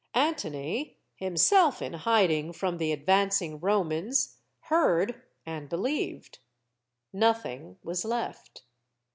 Antony, himself in hiding from the advancing Romans, heard and believed. Nothing was left.